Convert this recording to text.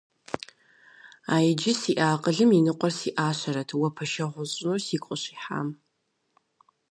А иджы сиӏэ акъылым и ныкъуэр сиӏащэрэт уэ пэшэгъу усщӏыну сигу къыщихьам.